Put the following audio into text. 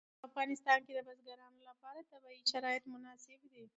په افغانستان کې د بزګانو لپاره طبیعي شرایط مناسب دي.